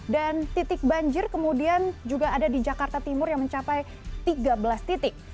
dan titik banjir kemudian juga ada di jakarta timur yang mencapai tiga belas titik